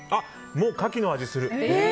もうカキの味がする。